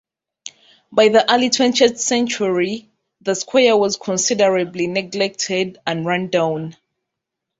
By the early twentieth century the square was considerably neglected and rundown.